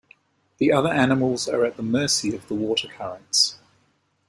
The other animals are at the mercy of the water currents.